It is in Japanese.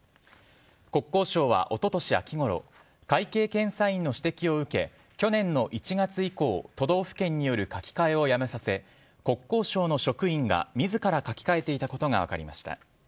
国交省はおととし秋ごろ会計検査院の指摘を受け去年の１月以降都道府県による書き換えをやめさせ国交省の職員が自ら書き換えていたことが分かりました。